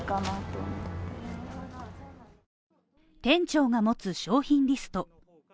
店長が持つ商品リスト。